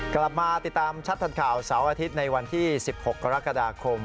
กลับมาติดตามชัดทันข่าวเสาร์อาทิตย์ในวันที่๑๖กรกฎาคม